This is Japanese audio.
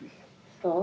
そう？